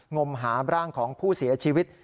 งมหาร่างของผู้เสียชีวิต